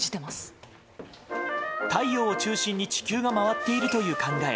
太陽を中心に地球が回っているという考え